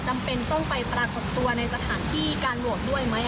จำเป็นต้องไปตราบส่วนตัว